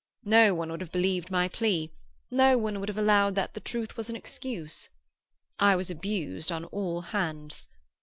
No one would have believed my plea—no one would have allowed that the truth was an excuse. I was abused on all hands.